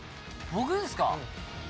僕ですか？